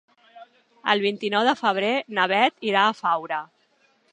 El vint-i-nou de febrer na Bet irà a Faura.